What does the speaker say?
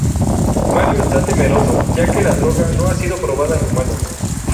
Mario esta temeroso ya que la droga no ha sido probada en humanos.